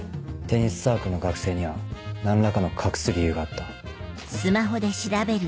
テニスサークルの学生には何らかの隠す理由があった。